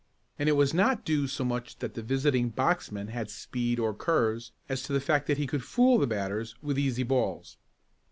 And it was not due so much that the visiting boxman had speed or curves, as to the fact that he could fool the batters with easy balls.